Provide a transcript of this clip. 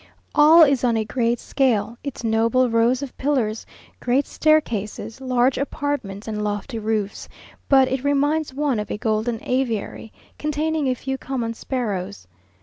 All is on a great scale, its noble rows of pillars, great staircases, large apartments and lofty roofs, but it reminds one of a golden aviary, containing a few common sparrows.